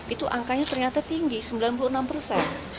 itu angkanya ternyata tinggi sembilan puluh enam persen